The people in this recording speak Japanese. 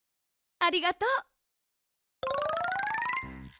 ありがとう。